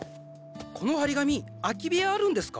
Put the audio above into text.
この貼り紙空き部屋あるんですか？